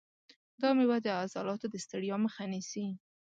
دا مېوه د عضلاتو د ستړیا مخه نیسي.